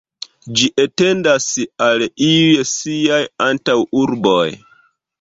Ĝi etendas al iuj siaj antaŭurboj.